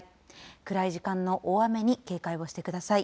暗い時間の大雨に警戒をしてください。